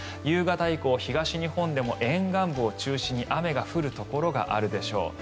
夕方以降、東日本でも沿岸部を中心に雨が降るところがあるでしょう。